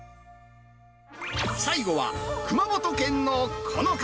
最後は、熊本県のこの方。